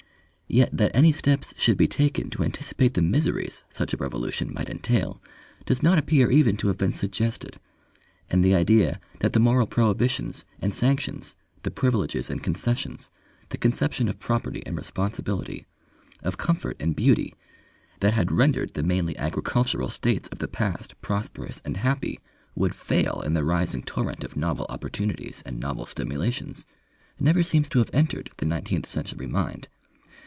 Yet that any steps should be taken to anticipate the miseries such a revolution might entail does not appear even to have been suggested; and the idea that the moral prohibitions and sanctions, the privileges and concessions, the conception of property and responsibility, of comfort and beauty, that had rendered the mainly agricultural states of the past prosperous and happy, would fail in the rising torrent of novel opportunities and novel stimulations, never seems to have entered the nineteenth century mind.